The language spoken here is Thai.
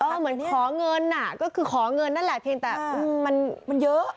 ถ้าเหมือนขอเงินก็คือขอเงินนั่นแหละเพียงแต่มันเยอะ